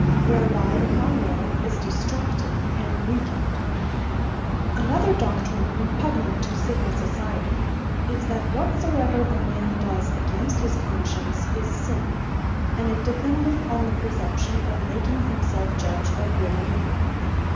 Whereby the Common wealth is distracted and Weakened. Erroneous Conscience Another doctrine repugnant to Civill Society, is, that "Whatsoever a man does against his Conscience, is Sinne;" and it dependeth on the presumption of making himself judge of Good and Evill.